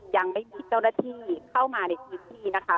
ยังไม่มีเจ้าหน้าที่เข้ามาในพื้นที่นะคะ